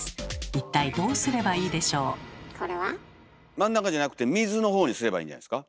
真ん中じゃなくて水のほうにすればいいんじゃないですか。